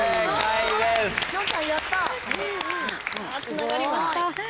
つながりました。